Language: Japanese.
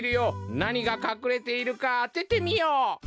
なにがかくれているかあててみよう！